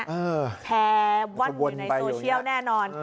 แชร์วั่นอยู่ในโซเชียลแน่นอน